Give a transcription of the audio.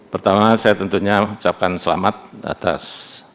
pertama saya tentunya mengucapkan selamat atas